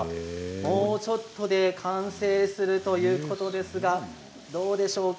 もうちょっとで完成するということですがどうでしょうか。